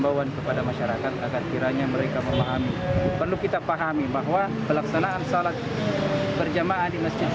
hukumnya selalu diperlukan untuk menjelaskan sholat tarawih